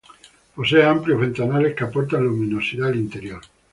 Poseen amplios ventanales que aportan luminosidad al interior.